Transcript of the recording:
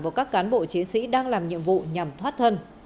vào các cán bộ chiến sĩ đang làm nhiệm vụ nhằm thoát thân